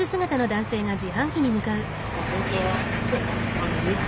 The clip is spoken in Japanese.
こんにちは。